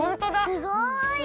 すごい！